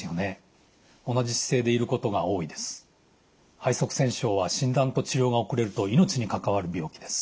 肺塞栓症は診断と治療が遅れると命に関わる病気です。